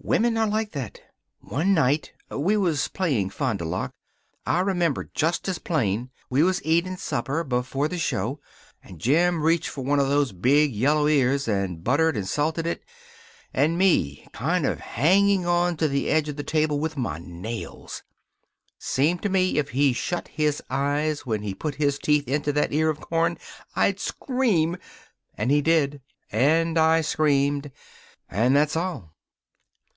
"Women are like that. One night we was playing Fond du Lac; I remember just as plain we was eating supper before the show and Jim reached for one of those big yellow ears, and buttered and salted it, and me kind of hanging on to the edge of the table with my nails. Seemed to me if he shut his eyes when he put his teeth into that ear of corn I'd scream. And he did. And I screamed. And that's all."